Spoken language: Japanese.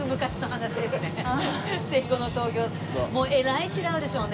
もうえらい違うでしょうね。